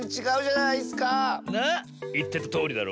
なあいってたとおりだろ。